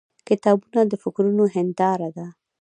• کتابونه د فکرونو هنداره ده.